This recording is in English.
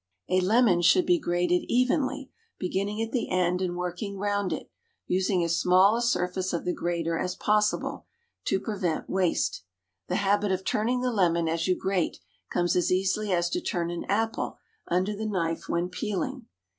A lemon should be grated evenly, beginning at the end and working round it, using as small a surface of the grater as possible, to prevent waste. The habit of turning the lemon as you grate comes as easily as to turn an apple under the knife when peeling.